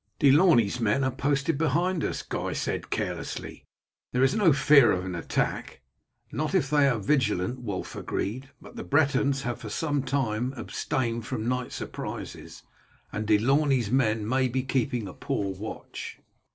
"De Launey's men are posted behind us," Guy said carelessly; "there is no fear of an attack." "Not if they are vigilant," Wulf agreed. "But the Bretons have for some time abstained from night surprises, and De Launey's men may be keeping a poor watch."